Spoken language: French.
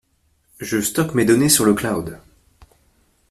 Je stocke mes données sur le cloud.